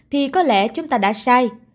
thì có lẽ chúng ta đã sai